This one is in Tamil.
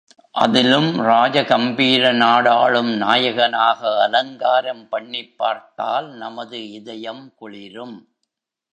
அதிலும் ராஜ கம்பீர நாடாளும் நாயகனாக அலங்காரம் பண்ணிப் பார்த்தால் நமது இதயம் குளிரும்.